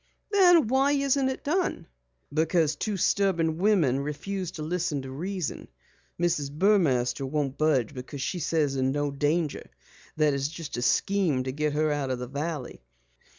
"Then why isn't it done?" "Because two stubborn women refuse to listen to reason. Mrs. Burmaster won't budge because she says there's no danger that it's a scheme to get her out of the valley.